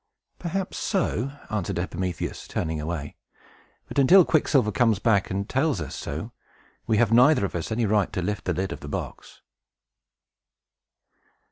"Perhaps so," answered Epimetheus, turning away. "But until Quicksilver comes back and tells us so, we have neither of us any right to lift the lid of the box."